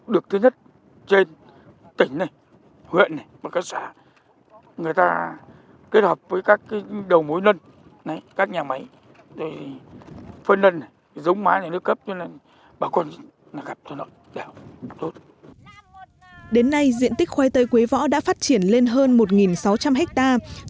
đến nay diện tích khoai tây quế võ đã phát triển lên hơn một sáu trăm linh hectare